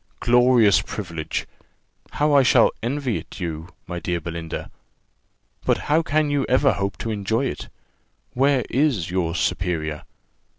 Glorious privilege! How I shall envy it you, my dear Belinda! But how can you ever hope to enjoy it? Where is your superior?